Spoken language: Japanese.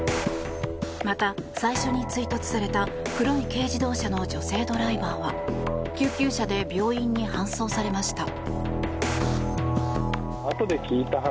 また、最初に追突された黒い軽自動車の女性ドライバーは救急車で病院に搬送されました。